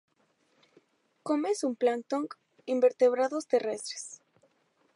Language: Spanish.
Come zooplancton, invertebrados terrestres.